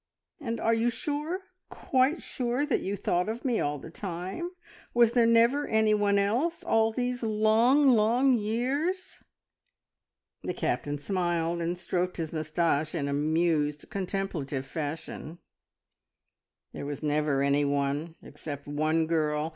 And are you sure quite sure that you thought of me all the time? Was there never anyone else all these long, long years?" The Captain smiled and stroked his moustache in amused, contemplative fashion. "There was never anyone, except one girl!